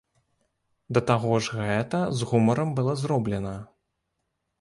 Да таго ж гэта з гумарам было зроблена.